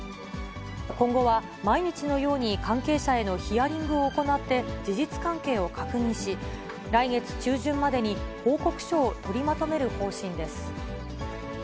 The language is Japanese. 今後は毎日のように関係者へのヒアリングを行って事実関係を確認し、来月中旬までに報告書を取りまとめる方針です。